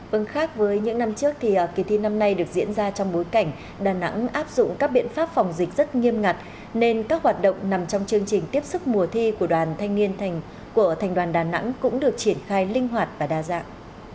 vâng khác với những năm trước thì kỳ thi năm nay được diễn ra trong bối cảnh đà nẵng áp dụng các biện pháp phòng dịch rất nghiêm ngặt nên các hoạt động nằm trong chương trình tiếp sức mùa thi của đoàn thanh niên của thành đoàn đà nẵng cũng được triển khai linh hoạt và đa dạng